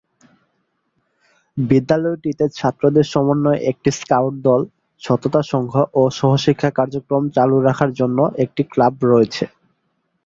বিদ্যালয়টিতে ছাত্রদের সমন্বয়ে একটি স্কাউট দল, সততা সংঘ ও সহশিক্ষা কার্যক্রম চালু রাখার জন্য একটি ক্লাব রয়েছে।